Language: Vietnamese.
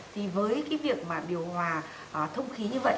thì với cái việc mà điều hòa thông khí như vậy